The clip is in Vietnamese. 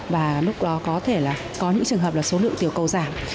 và lúc đó có những trường hợp là số lượng tiểu cầu giảm